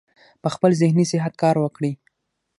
پۀ خپل ذهني صحت کار وکړي -